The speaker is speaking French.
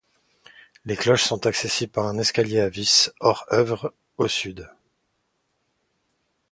Les cloches sont accessibles par un escalier à vis hors œuvre au sud.